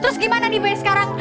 terus gimana nih buy sekarang